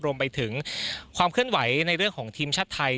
รวมไปถึงความเคลื่อนไหวในเรื่องของทีมชาติไทย